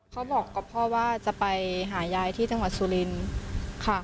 เขาบอกกับพ่อว่าจะไปหายายที่จังหวัดสุรินทร์ค่ะ